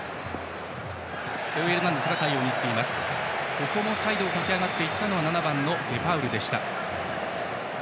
ここもサイドを駆け上がっていったのは７番、デパウルでした。